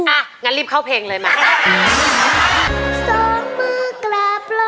อ่ะงั้นรีบเข้าเพลงเลยมา